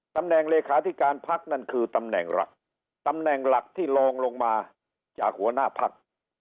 เลขาธิการพักนั่นคือตำแหน่งหลักตำแหน่งหลักที่ลองลงมาจากหัวหน้าพัก